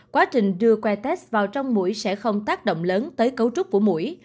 quá trình đưa que test vào trong mũi sẽ không tác động lớn tới cấu trúc của mũi